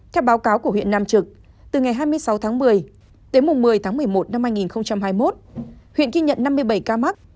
theo báo cáo của huyện nam trực từ ngày hai mươi sáu tháng một mươi tới một mươi tháng một mươi một năm hai nghìn hai mươi một huyện ghi nhận năm mươi bảy ca mắc